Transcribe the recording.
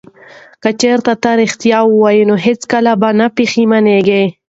که چیرې ته ریښتیا ووایې نو هیڅکله به نه پښیمانیږې.